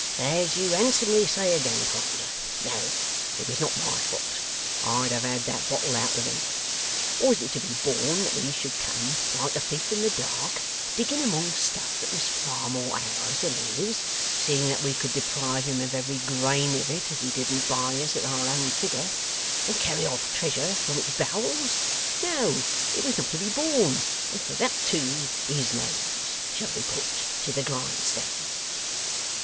'As you handsomely say again, partner! No, it was not my fault. I'd have had that bottle out of him. Was it to be borne that he should come, like a thief in the dark, digging among stuff that was far more ours than his (seeing that we could deprive him of every grain of it, if he didn't buy us at our own figure), and carrying off treasure from its bowels? No, it was not to be borne. And for that, too, his nose shall be put to the grindstone.